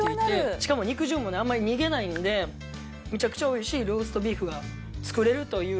しかも肉汁もねあんまり逃げないのでめちゃくちゃ美味しいローストビーフが作れるという。